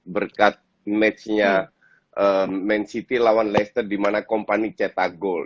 berkat match nya man city lawan leicester di mana kompani cetak gol